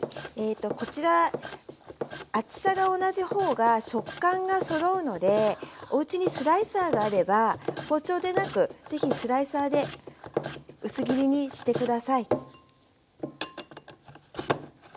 こちら厚さが同じ方が食感がそろうのでおうちにスライサーがあれば包丁でなく是非スライサーで薄切りにして下さい。